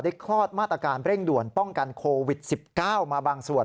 คลอดมาตรการเร่งด่วนป้องกันโควิด๑๙มาบางส่วน